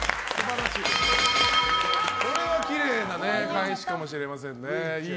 これはきれいな返しかもしれませんね。